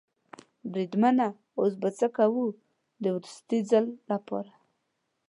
بریدمنه اوس به څه کوو؟ د وروستي ځل لپاره.